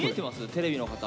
テレビの方。